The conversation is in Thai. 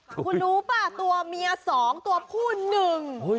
คุณรู้ป่ะตัวเมียสองตัวผู้หนึ่ง